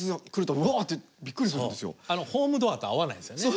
あのホームドアと合わないんですよね。